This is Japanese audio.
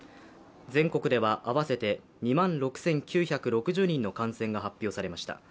全国では合わせて２万６９６０人の感染が発表されました。